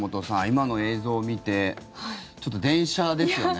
今の映像を見てちょっと、電車ですよね。